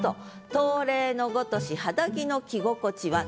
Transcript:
「冬麗のごとし肌着の着心地は」。